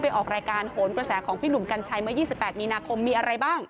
ออกรายการโหนกระแสของพี่หนุ่มกัญชัยเมื่อ๒๘มีนาคมมีอะไรบ้าง